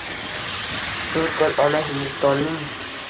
Bir kun ona Hindistonning